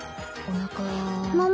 おなか桃